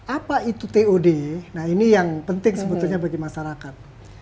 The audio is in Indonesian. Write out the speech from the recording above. apa itu tod nah ini yang penting sebetulnya bagi masyarakat